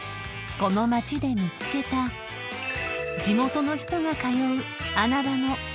この街で見つけた地元の人が通う］